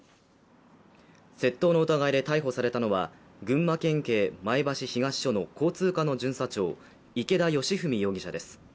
窃盗の疑いで逮捕されたのは群馬県警前橋東署の交通課の巡査長池田佳史容疑者です。